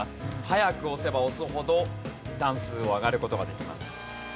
早く押せば押すほど段数を上がる事ができます。